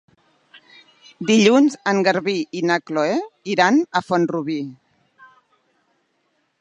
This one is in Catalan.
Dilluns en Garbí i na Chloé iran a Font-rubí.